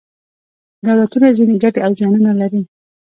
دولتونه ځینې ګټې او زیانونه لري.